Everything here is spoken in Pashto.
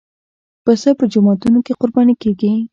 پسه په جوماتونو کې قرباني کېږي.